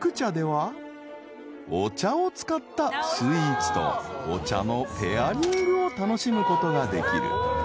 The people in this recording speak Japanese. ［お茶を使ったスイーツとお茶のペアリングを楽しむことができる］